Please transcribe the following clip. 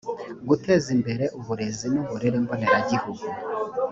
guteza imbere uburezi n uburere mboneragihugu